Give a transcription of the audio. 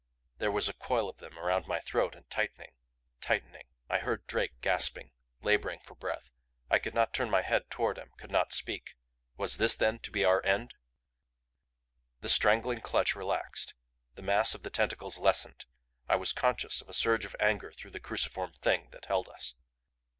There was a coil of them around my throat and tightening tightening. I heard Drake gasping, laboring for breath. I could not turn my head toward him, could not speak. Was this then to be our end? The strangling clutch relaxed, the mass of the tentacles lessened. I was conscious of a surge of anger through the cruciform Thing that held us.